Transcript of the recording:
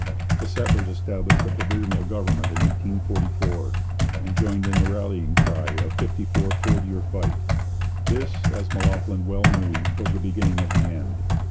The settlers established a provisional government in 1844, and joined in the rallying cry of 'Fifty four forty or fight.' This, as M'Loughlin well knew, was the beginning of the end.